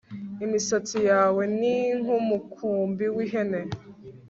imisatsi yawe ni nk'umukumbi w'ihene